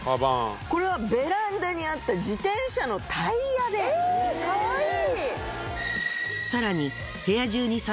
これはベランダにあった自転車のタイヤで！えかわいい！